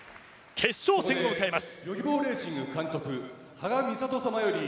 決勝戦を迎えます。